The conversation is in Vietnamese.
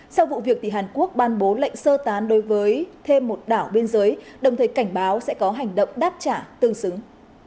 sau vụ việc hàn quốc ban bố lệnh sơ tán đối với thêm một đảo biên giới đồng thời cảnh báo sẽ có hành động đáp trả tương xứng